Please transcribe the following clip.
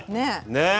ねえ。